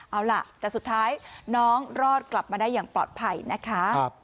เอาล่ะแต่สุดท้ายน้องรอดกลับมาได้อย่างปลอดภัยนะคะ